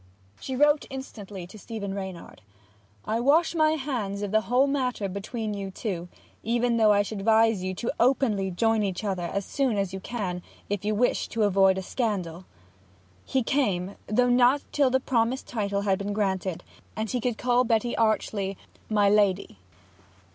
She wrote instantly to Stephen Reynard: 'I wash my hands of the whole matter as between you two; though I should advise you to openly join each other as soon as you can if you wish to avoid scandal.' He came, though not till the promised title had been granted, and he could call Betty archly 'My Lady.'